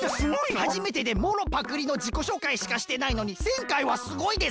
はじめてでもろパクリのじこしょうかいしかしてないのに１０００回はすごいです。